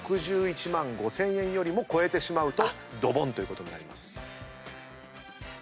６１万５，０００円よりも超えてしまうとドボンということに。